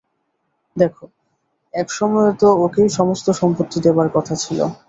দেখো, এক সময়ে তো ওকেই সমস্ত সম্পত্তি দেবার কথা ছিল।